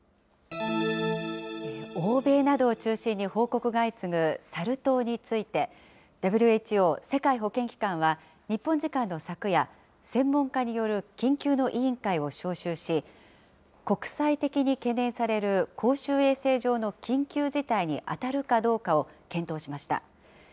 欧米などを中心に、報告が相次ぐサル痘について、ＷＨＯ・世界保健機関は日本時間の昨夜、専門家による緊急の委員会を招集し、国際的に懸念される公衆衛生上の緊急事態に当たるかどうかを検討しました。